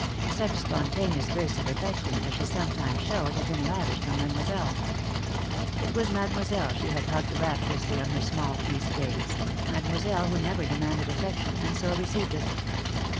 Such spontaneous bursts of affection as she sometimes showed had been lavished on Mademoiselle. It was Mademoiselle she had hugged rapturously on her small feast days, Mademoiselle who never demanded affection, and so received it.